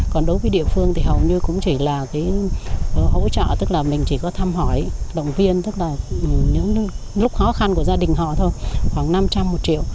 còn đối với địa phương thì hầu như cũng chỉ là cái hỗ trợ tức là mình chỉ có thăm hỏi động viên tức là những lúc khó khăn của gia đình họ thôi khoảng năm trăm một triệu